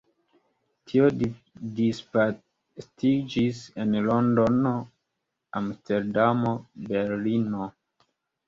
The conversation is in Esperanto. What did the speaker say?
Tio disvastiĝis en Londono, Amsterdamo, Berlino.